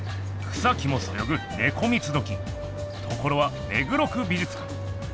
草木もそよぐネコ三つどきところは目黒区美術館。